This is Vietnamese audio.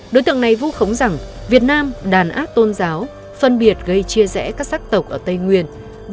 đối tượng này vu khống rằng việt nam đàn áp tôn giáo phân biệt gây chia rẽ các sắc tộc ở tây nguyên